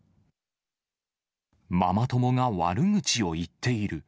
ママ友が悪口を言っている。